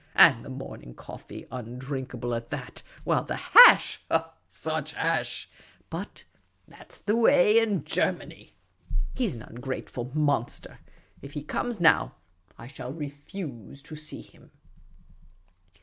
And the morning coffee undrinkable at that ; while the hash — such hash ! But that 's the way in Germany. He 's an ungrateful monster ; if he comes now, I shall refuse to see him."